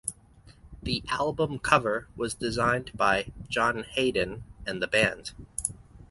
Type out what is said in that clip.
The album cover was designed by John Heiden and the band.